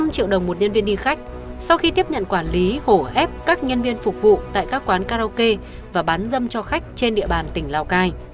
năm triệu đồng một nhân viên đi khách sau khi tiếp nhận quản lý hổ ép các nhân viên phục vụ tại các quán karaoke và bán dâm cho khách trên địa bàn tỉnh lào cai